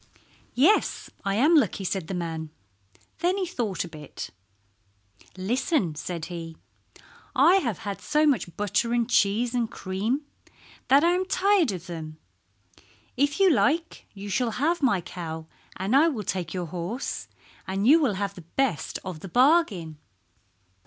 "Yes, I am lucky," said the man. Then he thought a bit. "Listen," said he. "I have had so much butter and cheese and cream that I am tired of them. If you like you shall have my cow and I will take your horse, and you will have the best of the bargain."